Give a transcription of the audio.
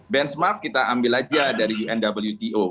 benchmark kita ambil aja dari unwto